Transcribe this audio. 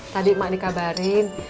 tadi emak dikabarin